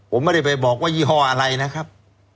ผมไม่ได้ไปบอกว่ายี่ห้ออะไรนะครับ